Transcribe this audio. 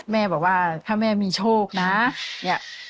แม่บอกว่าถ้าแม่มีโชคนะเนี่ย